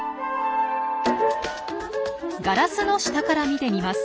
ガラスの下から見てみます。